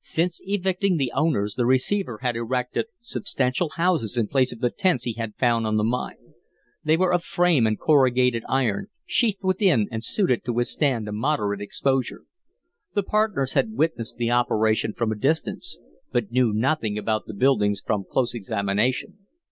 Since evicting the owners, the receiver had erected substantial houses in place of the tents he had found on the mine. They were of frame and corrugated iron, sheathed within and suited to withstand a moderate exposure. The partners had witnessed the operation from a distance, but knew nothing about the buildings from close examination.